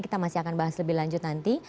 kita masih akan bahas lebih lanjut nanti